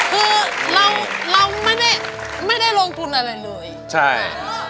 คือเราไม่ได้ลงทุนอะไรเลยใช่